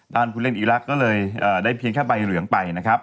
ผู้เล่นอีรักษ์ก็เลยได้เพียงแค่ใบเหลืองไปนะครับ